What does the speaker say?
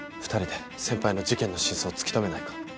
２人で先輩の事件の真相を突き止めないか。